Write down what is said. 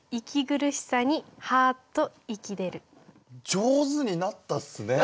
上手になったっすね！